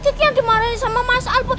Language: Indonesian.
kiki yang dimarahin sama masal bu